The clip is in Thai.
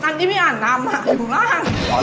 อันนี้มีอันน้ำหาอยู่ล่าง